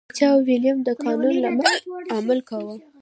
پاچا ویلیم د قانون له مخې عمل کاوه.